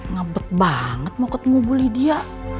ngebet banget mau ketemu bu lidia